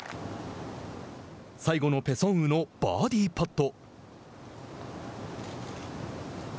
最後のペ・ソンウのバーディーパット。